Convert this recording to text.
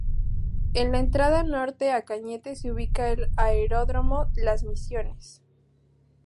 En la entrada norte a Cañete se ubica el Aeródromo Las Misiones.